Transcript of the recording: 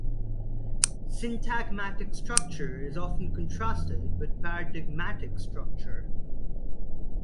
Syntagmatic structure is often contrasted with paradigmatic structure.